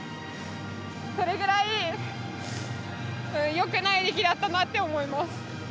それぐらいよくない出来だったなと思います。